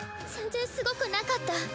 全然すごくなかった。